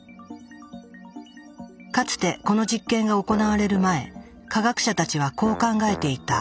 かつてこの実験が行われる前科学者たちはこう考えていた。